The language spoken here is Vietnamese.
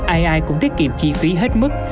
ai ai cũng tiết kiệm chi phí hết mức